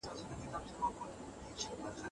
پوهان وایي چي منطقي تسلسل د لیکوال ملاتړ کوي.